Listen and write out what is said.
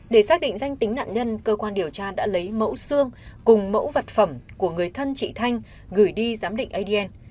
để xác định danh tính nạn nhân cơ quan điều tra đã lấy mẫu xương cùng mẫu vật phẩm của người thân chị thanh gửi đi giám định adn